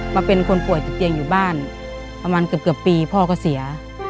มาเป็นคนป่วยติดเตียงอยู่บ้านประมาณเกือบปีพ่อก็เสีย